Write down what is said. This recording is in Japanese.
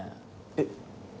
えっ。